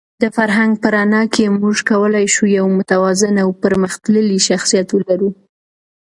د فرهنګ په رڼا کې موږ کولای شو یو متوازن او پرمختللی شخصیت ولرو.